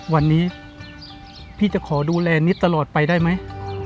วันนี้พี่จะขอดูแลนิดตลอดไปได้ไหม